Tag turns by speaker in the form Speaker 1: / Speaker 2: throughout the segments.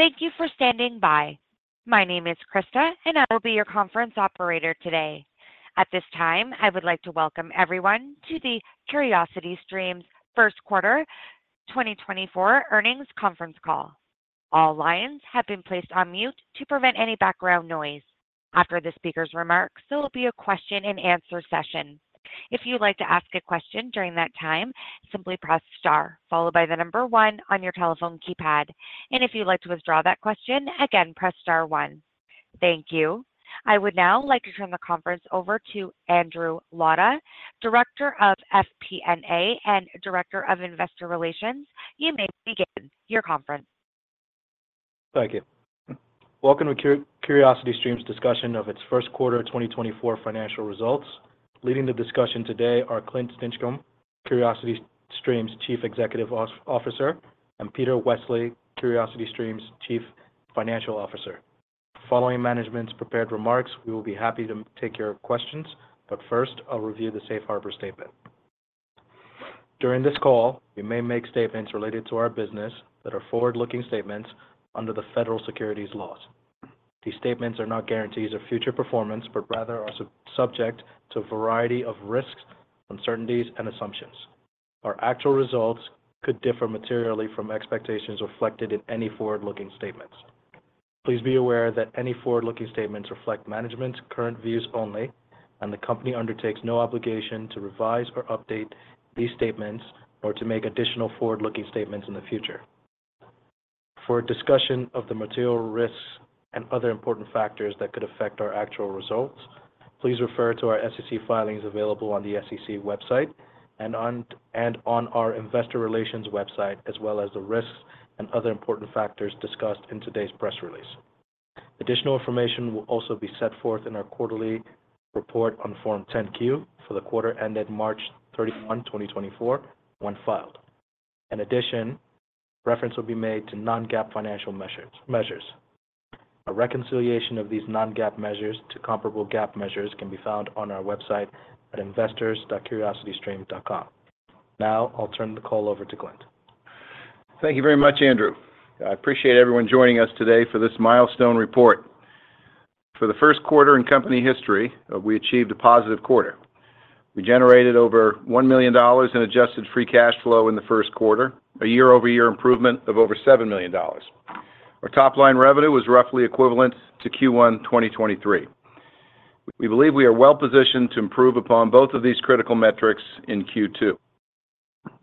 Speaker 1: Thank you for standing by. My name is Krista, and I will be your conference operator today. At this time, I would like to welcome everyone to the Curiosity Stream's First Quarter 2024 Earnings Conference Call. All lines have been placed on mute to prevent any background noise. After the speaker's remarks, there will be a question-and-answer session. If you'd like to ask a question during that time, simply press star, followed by the number 1 on your telephone keypad. If you'd like to withdraw that question, again, press star one. Thank you. I would now like to turn the conference over to Andrew Lata, Director of FP&A and Director of Investor Relations. You may begin your conference.
Speaker 2: Thank you. Welcome to Curiosity Stream's discussion of its First Quarter 2024 Financial Results. Leading the discussion today are Clint Stinchcomb, Curiosity Stream's Chief Executive Officer, and Peter Westley, Curiosity Stream's Chief Financial Officer. Following management's prepared remarks, we will be happy to take your questions, but first I'll review the Safe Harbor Statement. During this call, we may make statements related to our business that are forward-looking statements under the federal securities laws. These statements are not guarantees of future performance but rather are subject to a variety of risks, uncertainties, and assumptions. Our actual results could differ materially from expectations reflected in any forward-looking statements. Please be aware that any forward-looking statements reflect management's current views only, and the company undertakes no obligation to revise or update these statements or to make additional forward-looking statements in the future. For a discussion of the material risks and other important factors that could affect our actual results, please refer to our SEC filings available on the SEC website and on and on our Investor Relations website as well as the risks and other important factors discussed in today's press release. Additional information will also be set forth in our quarterly report on Form 10-Q for the quarter ended March 31, 2024, when filed. In addition, reference will be made to non-GAAP financial measures. A reconciliation of these non-GAAP measures to comparable GAAP measures can be found on our website at investors.curiositystream.com. Now I'll turn the call over to Clint.
Speaker 3: Thank you very much, Andrew. I appreciate everyone joining us today for this milestone report. For the first quarter in company history, we achieved a positive quarter. We generated over $1 million in Adjusted Free Cash Flow in the first quarter, a year-over-year improvement of over $7 million. Our top-line revenue was roughly equivalent to Q1 2023. We believe we are well-positioned to improve upon both of these critical metrics in Q2.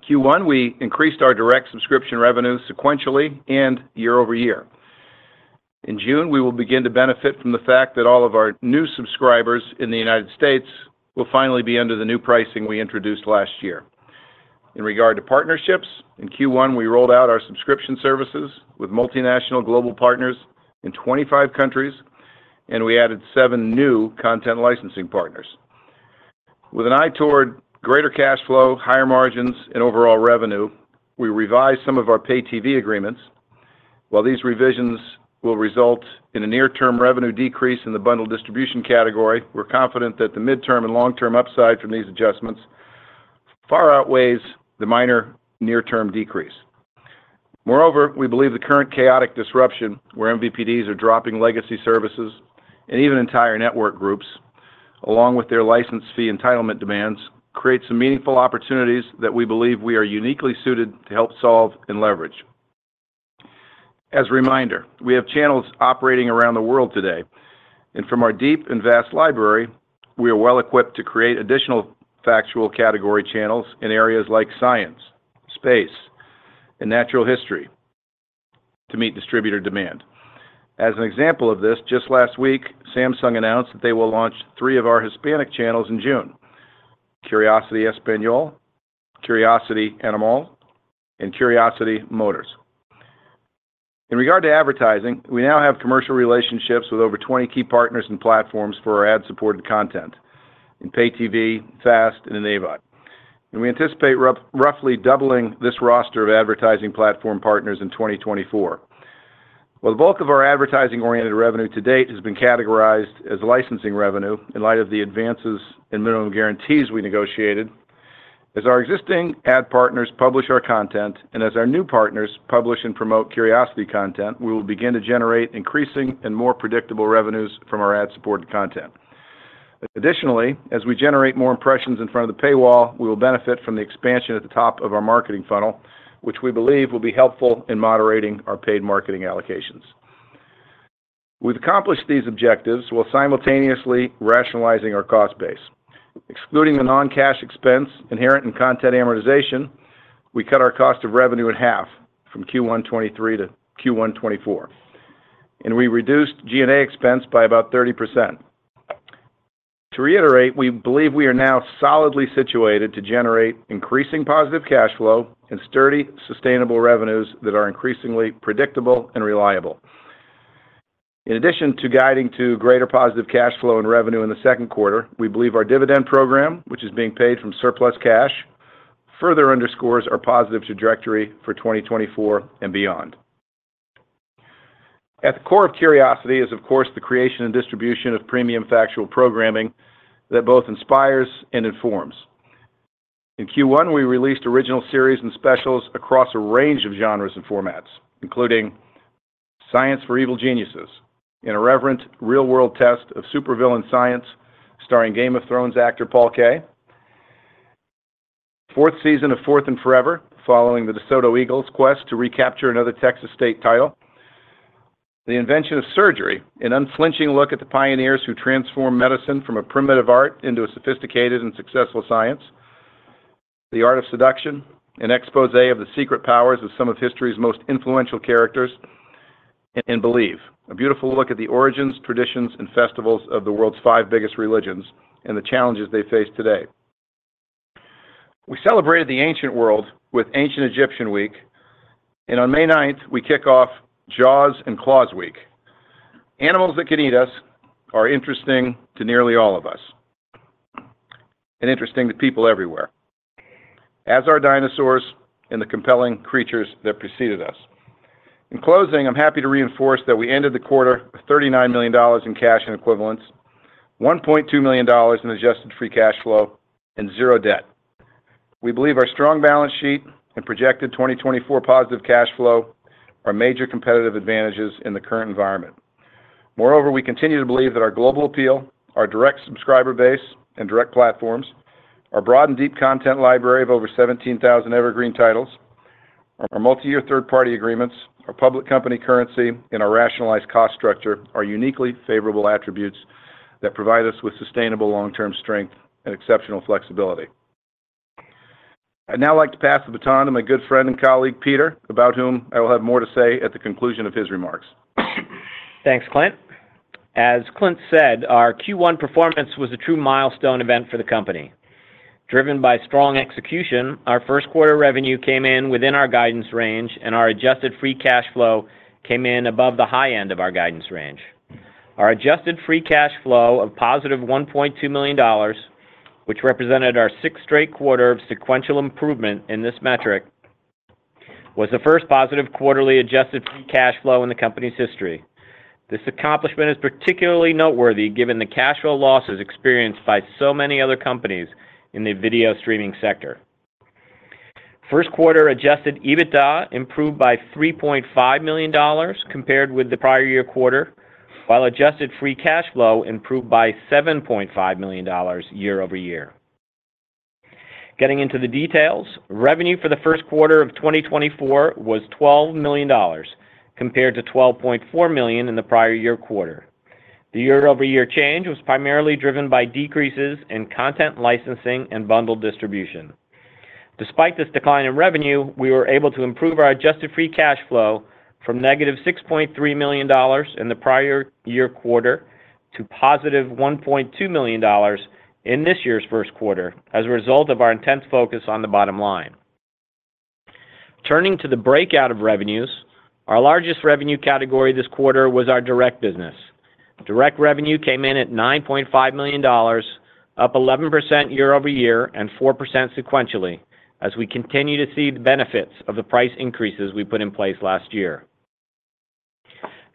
Speaker 3: Q1, we increased our direct subscription revenue sequentially and year-over-year. In June, we will begin to benefit from the fact that all of our new subscribers in the United States will finally be under the new pricing we introduced last year. In regard to partnerships, in Q1, we rolled out our subscription services with multinational global partners in 25 countries, and we added seven new content licensing partners. With an eye toward greater cash flow, higher margins, and overall revenue, we revised some of our Pay TV agreements. While these revisions will result in a near-term revenue decrease in the bundle distribution category, we're confident that the mid-term and long-term upside from these adjustments far outweighs the minor near-term decrease. Moreover, we believe the current chaotic disruption where MVPDs are dropping legacy services and even entire network groups, along with their license fee entitlement demands, creates some meaningful opportunities that we believe we are uniquely suited to help solve and leverage. As a reminder, we have channels operating around the world today, and from our deep and vast library, we are well-equipped to create additional factual category channels in areas like science, space, and natural history to meet distributor demand. As an example of this, just last week, Samsung announced that they will launch three of our Hispanic channels in June: Curiosity Español, Curiosity Animales, and Curiosity Motores. In regard to advertising, we now have commercial relationships with over 20 key partners and platforms for our ad-supported content in Pay TV, FAST, and in AVOD. And we anticipate roughly doubling this roster of advertising platform partners in 2024. While the bulk of our advertising-oriented revenue to date has been categorized as licensing revenue in light of the advances and minimum guarantees we negotiated, as our existing ad partners publish our content and as our new partners publish and promote Curiosity content, we will begin to generate increasing and more predictable revenues from our ad-supported content. Additionally, as we generate more impressions in front of the paywall, we will benefit from the expansion at the top of our marketing funnel, which we believe will be helpful in moderating our paid marketing allocations. We've accomplished these objectives while simultaneously rationalizing our cost base. Excluding the non-cash expense inherent in content amortization, we cut our cost of revenue in half from Q1 2023 to Q1 2024, and we reduced G&A expense by about 30%. To reiterate, we believe we are now solidly situated to generate increasing positive cash flow and sturdy, sustainable revenues that are increasingly predictable and reliable. In addition to guiding to greater positive cash flow and revenue in the second quarter, we believe our dividend program, which is being paid from surplus cash, further underscores our positive trajectory for 2024 and beyond. At the core of Curiosity is, of course, the creation and distribution of premium factual programming that both inspires and informs. In Q1, we released original series and specials across a range of genres and formats, including Science for Evil Geniuses, An Irreverent Real World Test of Supervillain Science starring Game of Thrones actor Paul Kaye, fourth season of 4th and Forever following the DeSoto Eagles' quest to recapture another Texas state title, The Invention of Surgery, an unflinching look at the pioneers who transformed medicine from a primitive art into a sophisticated and successful science, The Art of Seduction, an exposé of the secret powers of some of history's most influential characters, and Believe, a beautiful look at the origins, traditions, and festivals of the world's five biggest religions and the challenges they face today. We celebrated the ancient world with Ancient Egyptian Week, and on May 9th, we kick off Jaws and Claws Week. Animals that can eat us are interesting to nearly all of us and interesting to people everywhere, as are dinosaurs and the compelling creatures that preceded us. In closing, I'm happy to reinforce that we ended the quarter with $39 million in cash and equivalents, $1.2 million in adjusted free cash flow, and zero debt. We believe our strong balance sheet and projected 2024 positive cash flow are major competitive advantages in the current environment. Moreover, we continue to believe that our global appeal, our direct subscriber base and direct platforms, our broad and deep content library of over 17,000 evergreen titles, our multi-year third-party agreements, our public company currency, and our rationalized cost structure are uniquely favorable attributes that provide us with sustainable long-term strength and exceptional flexibility. I'd now like to pass the baton to my good friend and colleague Peter, about whom I will have more to say at the conclusion of his remarks.
Speaker 4: Thanks, Clint. As Clint said, our Q1 performance was a true milestone event for the company. Driven by strong execution, our first quarter revenue came in within our guidance range, and our adjusted free cash flow came in above the high end of our guidance range. Our adjusted free cash flow of positive $1.2 million, which represented our sixth straight quarter of sequential improvement in this metric, was the first positive quarterly adjusted free cash flow in the company's history. This accomplishment is particularly noteworthy given the cash flow losses experienced by so many other companies in the video streaming sector. First quarter adjusted EBITDA improved by $3.5 million compared with the prior year quarter, while adjusted free cash flow improved by $7.5 million year-over-year. Getting into the details, revenue for the first quarter of 2024 was $12 million compared to $12.4 million in the prior year quarter. The year-over-year change was primarily driven by decreases in content licensing and bundle distribution. Despite this decline in revenue, we were able to improve our adjusted free cash flow from -$6.3 million in the prior year quarter to +$1.2 million in this year's first quarter as a result of our intense focus on the bottom line. Turning to the breakout of revenues, our largest revenue category this quarter was our direct business. Direct revenue came in at $9.5 million, up 11% year-over-year and 4% sequentially, as we continue to see the benefits of the price increases we put in place last year.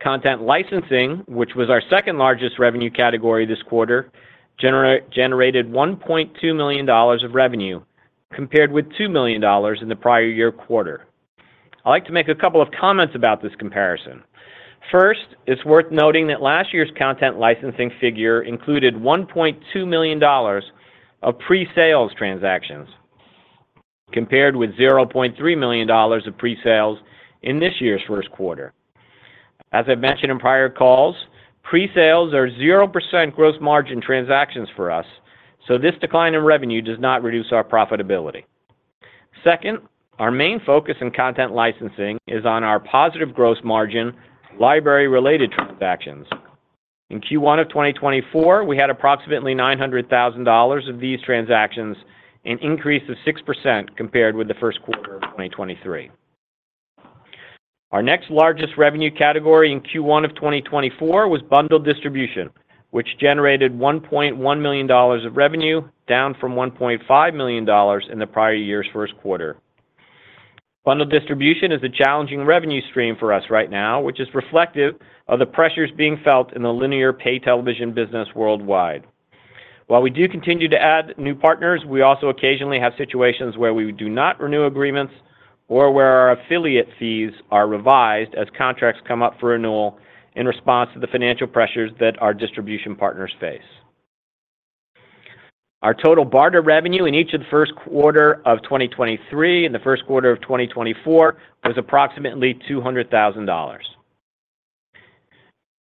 Speaker 4: Content licensing, which was our second largest revenue category this quarter, generated $1.2 million of revenue compared with $2 million in the prior year quarter. I'd like to make a couple of comments about this comparison. First, it's worth noting that last year's content licensing figure included $1.2 million of pre-sales transactions compared with $0.3 million of pre-sales in this year's first quarter. As I've mentioned in prior calls, pre-sales are 0% gross margin transactions for us, so this decline in revenue does not reduce our profitability. Second, our main focus in content licensing is on our positive gross margin library-related transactions. In Q1 of 2024, we had approximately $900,000 of these transactions, an increase of 6% compared with the first quarter of 2023. Our next largest revenue category in Q1 of 2024 was bundle distribution, which generated $1.1 million of revenue, down from $1.5 million in the prior year's first quarter. Bundle distribution is a challenging revenue stream for us right now, which is reflective of the pressures being felt in the linear Pay Television business worldwide. While we do continue to add new partners, we also occasionally have situations where we do not renew agreements or where our affiliate fees are revised as contracts come up for renewal in response to the financial pressures that our distribution partners face. Our total barter revenue in each of the first quarter of 2023 and the first quarter of 2024 was approximately $200,000.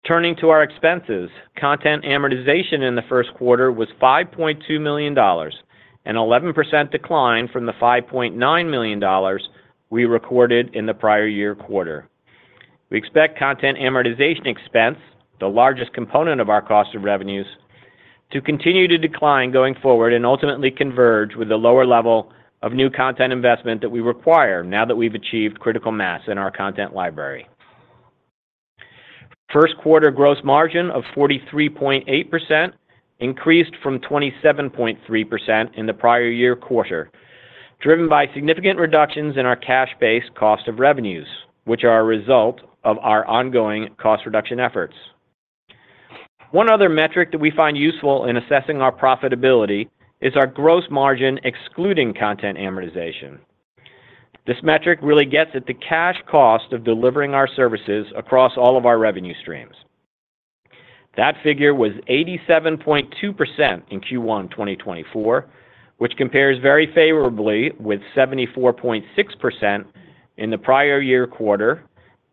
Speaker 4: Turning to our expenses, content amortization in the first quarter was $5.2 million, an 11% decline from the $5.9 million we recorded in the prior year quarter. We expect content amortization expense, the largest component of our cost of revenues, to continue to decline going forward and ultimately converge with the lower level of new content investment that we require now that we've achieved critical mass in our content library. First quarter gross margin of 43.8% increased from 27.3% in the prior year quarter, driven by significant reductions in our cash-based cost of revenues, which are a result of our ongoing cost reduction efforts. One other metric that we find useful in assessing our profitability is our gross margin excluding content amortization. This metric really gets at the cash cost of delivering our services across all of our revenue streams. That figure was 87.2% in Q1 2024, which compares very favorably with 74.6% in the prior year quarter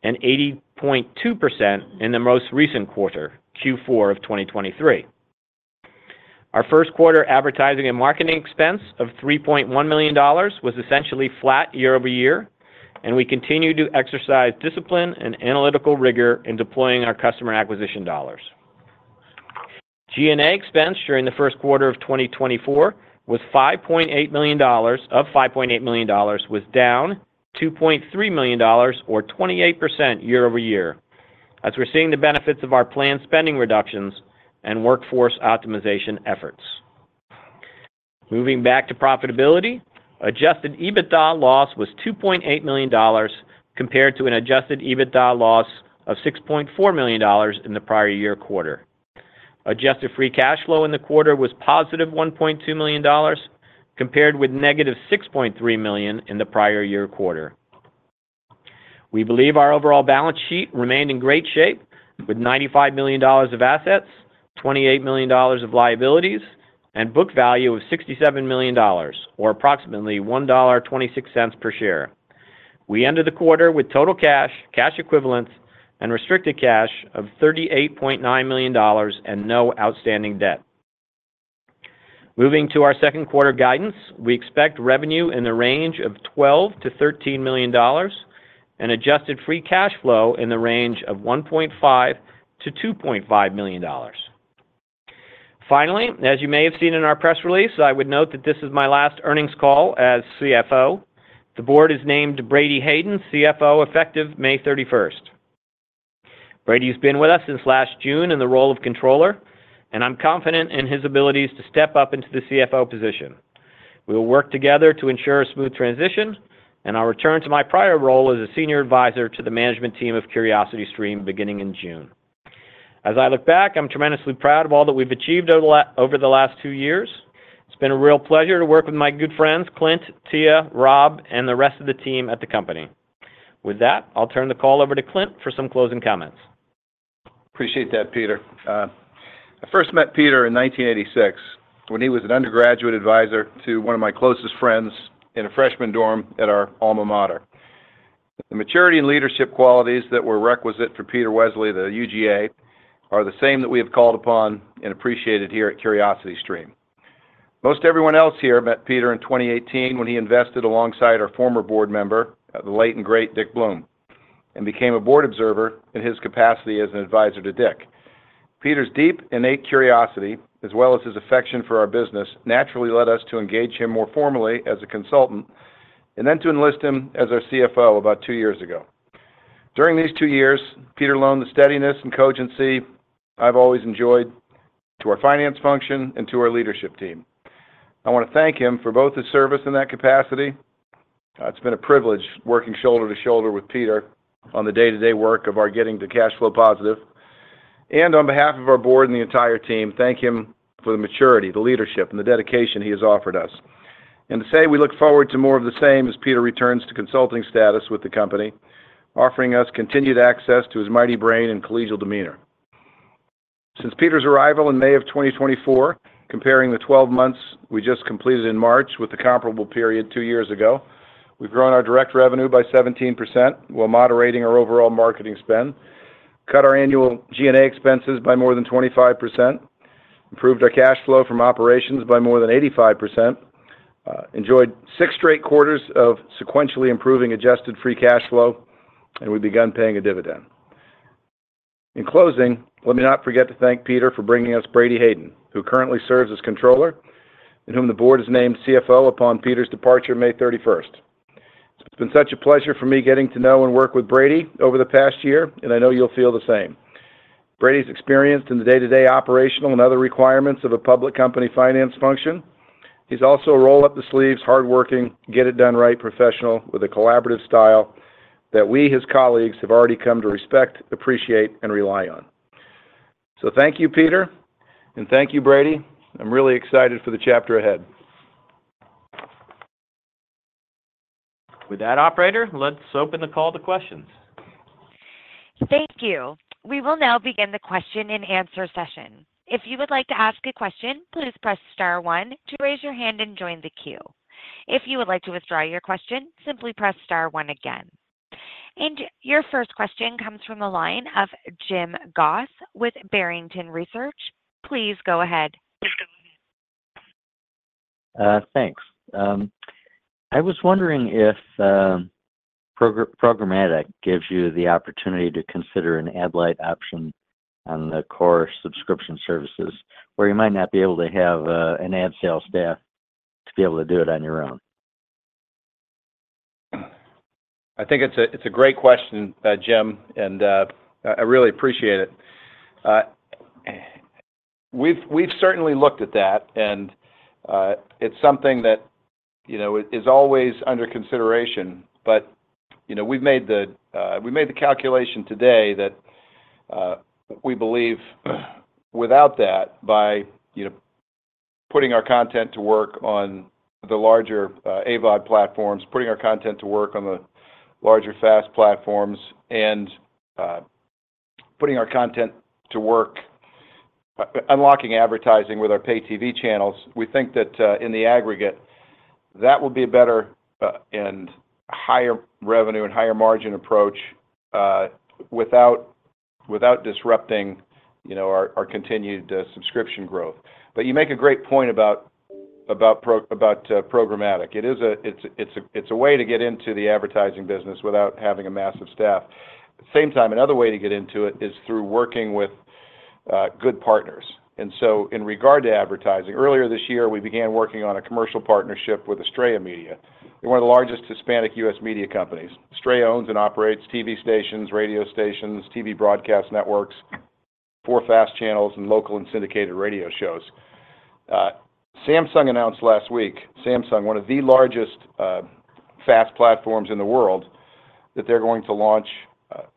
Speaker 4: and 80.2% in the most recent quarter, Q4 of 2023. Our first quarter advertising and marketing expense of $3.1 million was essentially flat year-over-year, and we continue to exercise discipline and analytical rigor in deploying our customer acquisition dollars. G&A expense during the first quarter of 2024 was $5.8 million of $5.8 million, was down $2.3 million or 28% year-over-year as we're seeing the benefits of our planned spending reductions and workforce optimization efforts. Moving back to profitability, adjusted EBITDA loss was $2.8 million compared to an adjusted EBITDA loss of $6.4 million in the prior year quarter. Adjusted free cash flow in the quarter was +$1.2 million compared with -$6.3 million in the prior year quarter. We believe our overall balance sheet remained in great shape with $95 million of assets, $28 million of liabilities, and book value of $67 million or approximately $1.26 per share. We ended the quarter with total cash, cash equivalents, and restricted cash of $38.9 million and no outstanding debt. Moving to our second quarter guidance, we expect revenue in the range of $12 million-$13 million and adjusted free cash flow in the range of $1.5 million-$2.5 million. Finally, as you may have seen in our press release, I would note that this is my last earnings call as CFO. The board has named Brady Hayden, CFO effective May 31st. Brady's been with us since last June in the role of controller, and I'm confident in his abilities to step up into the CFO position. We will work together to ensure a smooth transition and I'll return to my prior role as a senior advisor to the management team of Curiosity Stream beginning in June. As I look back, I'm tremendously proud of all that we've achieved over the last two years. It's been a real pleasure to work with my good friends Clint, Tia, Rob, and the rest of the team at the company. With that, I'll turn the call over to Clint for some closing comments.
Speaker 3: Appreciate that, Peter. I first met Peter in 1986 when he was an undergraduate advisor to one of my closest friends in a freshman dorm at our alma mater. The maturity and leadership qualities that were requisite for Peter Westley, the UGA, are the same that we have called upon and appreciated here at Curiosity Stream. Most everyone else here met Peter in 2018 when he invested alongside our former Board Member, the late and great Dick Bloom, and became a board observer in his capacity as an advisor to Dick. Peter's deep innate curiosity, as well as his affection for our business, naturally led us to engage him more formally as a consultant and then to enlist him as our CFO about two years ago. During these two years, Peter loaned the steadiness and cogency I've always enjoyed to our finance function and to our leadership team. I want to thank him for both his service in that capacity. It's been a privilege working shoulder to shoulder with Peter on the day-to-day work of our getting to cash flow positive. On behalf of our board and the entire team, thank him for the maturity, the leadership, and the dedication he has offered us. To say we look forward to more of the same as Peter returns to consulting status with the company, offering us continued access to his mighty brain and collegial demeanor. Since Peter's arrival in May of 2024, comparing the 12 months we just completed in March with the comparable period two years ago, we've grown our direct revenue by 17% while moderating our overall marketing spend, cut our annual G&A expenses by more than 25%, improved our cash flow from operations by more than 85%, enjoyed six straight quarters of sequentially improving adjusted free cash flow, and we've begun paying a dividend. In closing, let me not forget to thank Peter for bringing us Brady Hayden, who currently serves as controller and whom the board has named CFO upon Peter's departure May 31st. It's been such a pleasure for me getting to know and work with Brady over the past year, and I know you'll feel the same. Brady's experienced in the day-to-day operational and other requirements of a public company finance function. He's also a roll-up-the-sleeves, hardworking, get-it-done-right professional with a collaborative style that we, his colleagues, have already come to respect, appreciate, and rely on. So thank you, Peter, and thank you, Brady. I'm really excited for the chapter ahead.
Speaker 2: With that, operator, let's open the call to questions.
Speaker 1: Thank you. We will now begin the question-and-answer session. If you would like to ask a question, please press star one to raise your hand and join the queue. If you would like to withdraw your question, simply press star one again. Your first question comes from a line of Jim Goss with Barrington Research. Please go ahead.
Speaker 5: Thanks. I was wondering if Programmatic gives you the opportunity to consider an ad-lite option on the core subscription services where you might not be able to have an ad sales staff to be able to do it on your own?
Speaker 3: I think it's a great question, Jim, and I really appreciate it. We've certainly looked at that, and it's something that is always under consideration. But we've made the calculation today that we believe without that, by putting our content to work on the larger AVOD platforms, putting our content to work on the larger FAST platforms, and putting our content to work unlocking advertising with our Pay TV channels, we think that in the aggregate, that will be a better and higher revenue and higher margin approach without disrupting our continued subscription growth. But you make a great point about Programmatic. It's a way to get into the advertising business without having a massive staff. At the same time, another way to get into it is through working with good partners. In regard to advertising, earlier this year, we began working on a commercial partnership with Estrella Media. They're one of the largest Hispanic U.S. media companies. Estrella owns and operates TV stations, radio stations, TV broadcast networks, four FAST channels, and local and syndicated radio shows. Samsung announced last week, Samsung, one of the largest FAST platforms in the world, that they're going to launch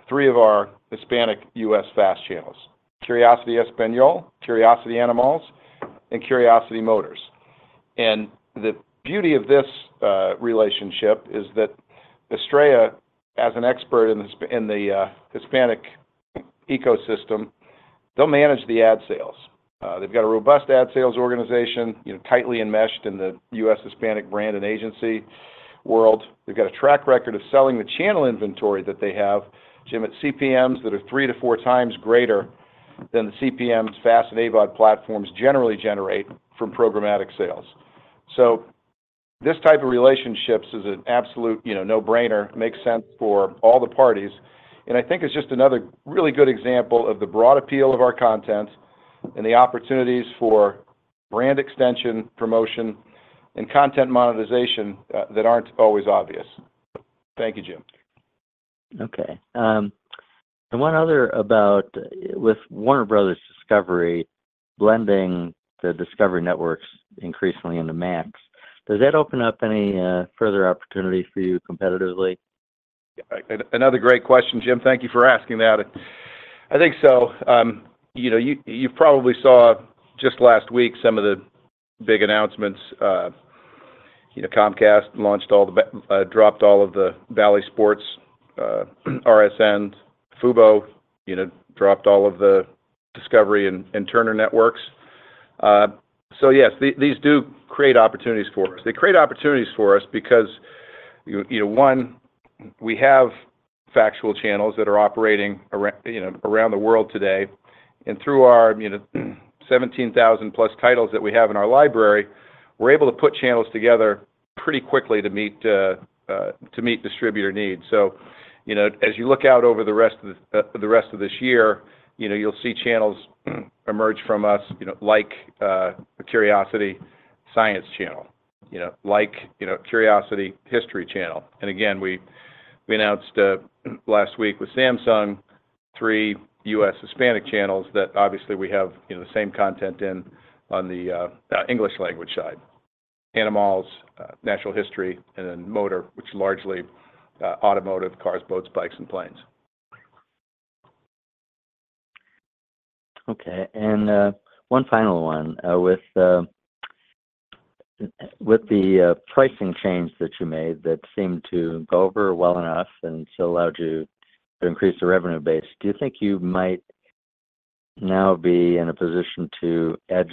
Speaker 3: three of our Hispanic U.S. FAST channels: Curiosity Español, Curiosity Animales, and Curiosity Motores. The beauty of this relationship is that Estrella, as an expert in the Hispanic ecosystem, they'll manage the ad sales. They've got a robust ad sales organization tightly enmeshed in the U.S. Hispanic brand and agency world. They've got a track record of selling the channel inventory that they have, Jim, at CPMs that are 3-4X greater than the CPMs FAST and AVOD platforms generally generate from Programmatic sales. So this type of relationship is an absolute no-brainer. Makes sense for all the parties. I think it's just another really good example of the broad appeal of our content and the opportunities for brand extension, promotion, and content monetization that aren't always obvious. Thank you, Jim.
Speaker 5: Okay. And one other about with Warner Bros. Discovery blending the Discovery Networks increasingly into Max, does that open up any further opportunity for you competitively?
Speaker 3: Another great question, Jim. Thank you for asking that. I think so. You probably saw just last week some of the big announcements. Comcast dropped all of the Bally Sports RSN. Fubo dropped all of the Discovery and Turner Networks. So yes, these do create opportunities for us. They create opportunities for us because, one, we have factual channels that are operating around the world today. And through our 17,000+ titles that we have in our library, we're able to put channels together pretty quickly to meet distributor needs. So as you look out over the rest of this year, you'll see channels emerge from us like a Curiosity Science channel, like a Curiosity History channel. And again, we announced last week with Samsung three US Hispanic channels that obviously we have the same content in on the English language side: Animals, Natural History, and then Motor, which largely automotive cars, boats, bikes, and planes.
Speaker 5: Okay. And one final one. With the pricing change that you made that seemed to go over well enough and still allowed you to increase the revenue base, do you think you might now be in a position to edge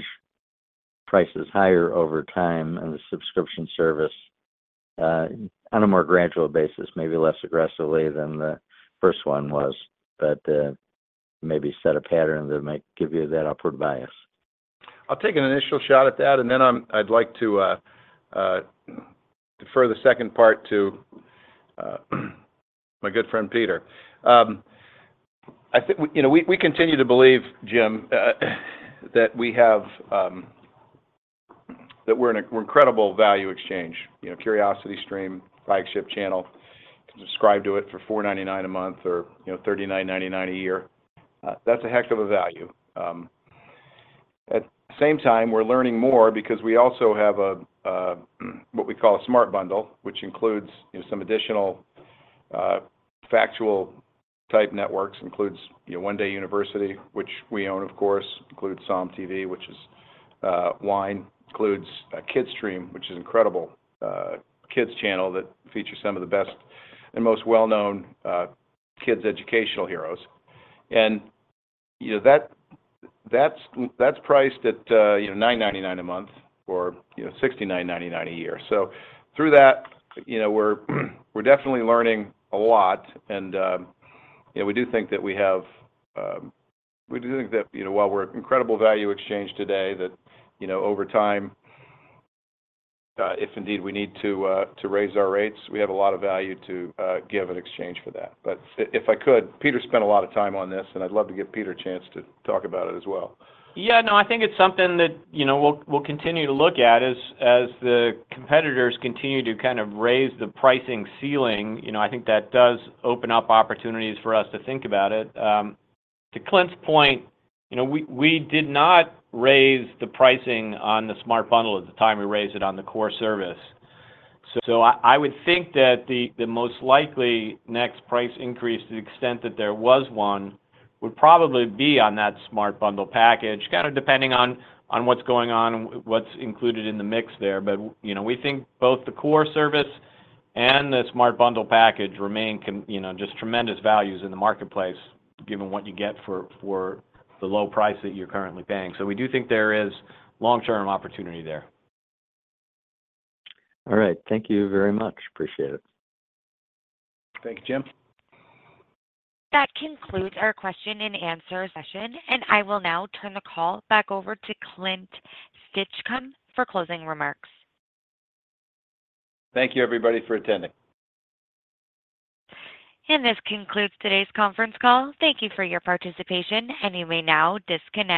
Speaker 5: prices higher over time in the subscription service on a more gradual basis, maybe less aggressively than the first one was, but maybe set a pattern that might give you that upward bias?
Speaker 3: I'll take an initial shot at that, and then I'd like to defer the second part to my good friend Peter. I think we continue to believe, Jim, that we're an incredible value exchange. Curiosity Stream, flagship channel, subscribe to it for $4.99 a month or $39.99 a year. That's a heck of a value. At the same time, we're learning more because we also have what we call a smart bundle, which includes some additional factual-type networks. Includes One Day University, which we own, of course, includes SOMM TV, which is wine, includes Kidstream, which is an incredible kids' channel that features some of the best and most well-known kids' educational heroes. And that's priced at $9.99 a month or $69.99 a year. So through that, we're definitely learning a lot. We do think that while we're an incredible value exchange today, that over time, if indeed we need to raise our rates, we have a lot of value to give in exchange for that. If I could, Peter spent a lot of time on this, and I'd love to give Peter a chance to talk about it as well.
Speaker 4: Yeah. No, I think it's something that we'll continue to look at as the competitors continue to kind of raise the pricing ceiling. I think that does open up opportunities for us to think about it. To Clint's point, we did not raise the pricing on the smart bundle at the time we raised it on the core service. So I would think that the most likely next price increase, to the extent that there was one, would probably be on that smart bundle package, kind of depending on what's going on and what's included in the mix there. But we think both the core service and the smart bundle package remain just tremendous values in the marketplace, given what you get for the low price that you're currently paying. So we do think there is long-term opportunity there.
Speaker 5: All right. Thank you very much. Appreciate it.
Speaker 3: Thank you, Jim.
Speaker 1: That concludes our question-and-answer session, and I will now turn the call back over to Clint Stinchcomb for closing remarks.
Speaker 3: Thank you, everybody, for attending.
Speaker 1: And this concludes today's conference call. Thank you for your participation, and you may now disconnect.